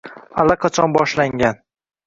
Allaqachon boshlangan.